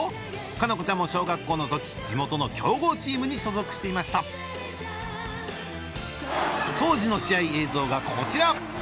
夏菜子ちゃんも小学校の時地元の強豪チームに所属していました当時の試合映像がこちら